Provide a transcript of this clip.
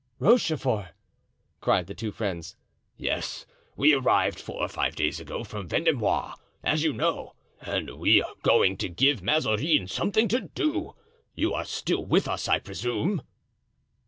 "Rochefort!" cried the two friends. "Yes! we arrived four or five days ago from the Vendomois, as you know, and we are going to give Mazarin something to do. You are still with us, I presume?"